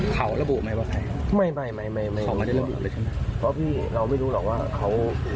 เขาระบุไหมบอกไม่ไม่รู้ว่ะเพราะพี่เราไม่รู้หรอกว่าเขา